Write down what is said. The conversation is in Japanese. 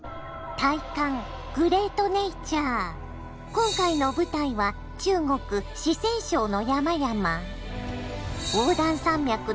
今回の舞台は中国・四川省の山々。